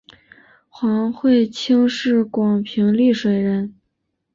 黄晦卿是广平丽水人。